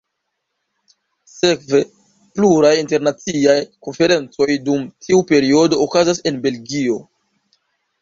Sekve pluraj internaciaj konferencoj dum tiu periodo okazas en Belgio.